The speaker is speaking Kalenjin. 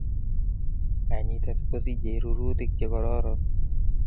Kanyitet kosijei rurutik chekoraron